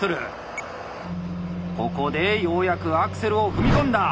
ここでようやくアクセルを踏み込んだ。